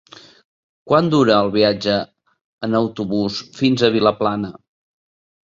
Quant dura el viatge en autobús fins a Vilaplana?